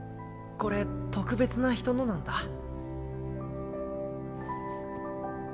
これ特別な人のなんだ。